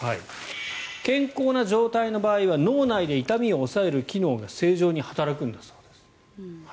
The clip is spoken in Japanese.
健康な状態の場合は脳内で痛みを抑える機能が正常に働くんだそうです。